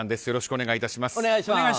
よろしくお願いします。